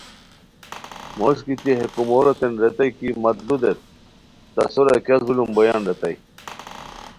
موش گیتی ہے کوموروتین ریتائے کی مت لو دیت تہ سورا کیہ ظلم بویان ریتائے